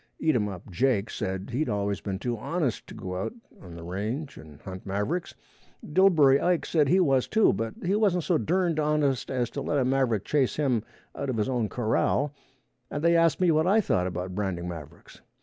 Eatumup Jake said he'd always been too honest to go out on the range and hunt mavericks; Dillbery Ike said he was too, but he wasn't so durned honest as to let a maverick chase him out of his own corral, and they asked me what I thought about branding mavericks.